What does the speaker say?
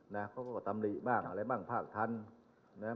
หาอะไรบ้างภาคจันทร์